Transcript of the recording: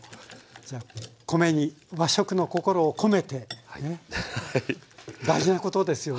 じゃあ「米」に和食の心を「『こめ』て」。ねえ。大事なことですよね。